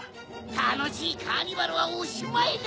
たのしいカーニバルはおしまいだ！